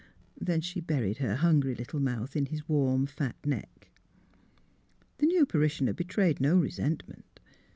" Then she buried her hungry little mouth in his warm, fat neck. The new parishioner betrayed no resentment.